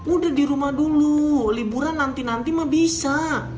udah di rumah dulu liburan nanti nanti mah bisa